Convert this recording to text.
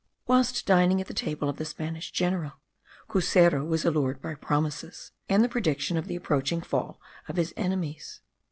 Whilst dining at the table of the Spanish general, Cuseru was allured by promises, and the prediction of the approaching fall of his enemies.